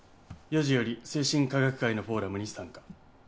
４時より精神科学会のフォーラムに参加。